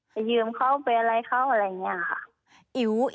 ยืมเขาไปอะไรเขาอะไรอย่างนี้ค่ะ